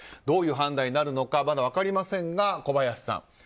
どういう判断になるのかまだ分かりませんが、小林さん。